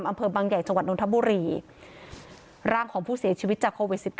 อำเภอบางใหญ่จังหวัดนทบุรีร่างของผู้เสียชีวิตจากโควิด๑๙